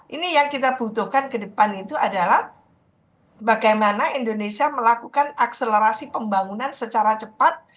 ini yang kita butuhkan ke depan itu adalah bagaimana indonesia melakukan akselerasi pembangunan secara cepat